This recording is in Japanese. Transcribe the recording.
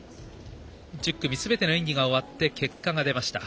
１０組すべての演技が終わって結果が出ました。